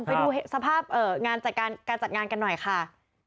ไปดูสภาพงานการจัดงานกันหน่อยค่ะ